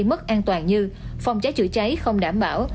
an toàn như phòng trái chữa cháy không đảm bảo